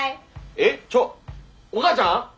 えっちょお母ちゃん？